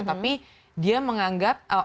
ormas ormas ini adalah orang yang berpengaruh